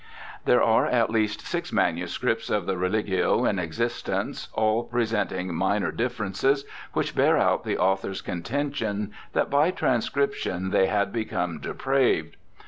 There are at least six manuscripts of the Rcligio in existence, all presenting minor differences, which bear out the author's contention that by transcription they had become depraved.